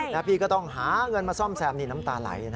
แล้วพี่ก็ต้องหาเงินมาซ่อมแซมนี่น้ำตาไหลนะ